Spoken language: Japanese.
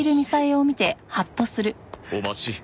お待ち。